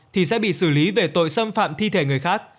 thì sẽ bị xử lý về tội xâm phạm thi thể người khác